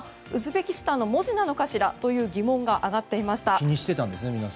ウズベキスタンの文字なのかしらという疑問が上がっていました。